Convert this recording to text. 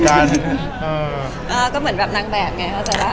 คุณเป็นหวังไหมคะ